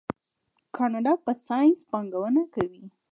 کاناډا په ساینس پانګونه کوي.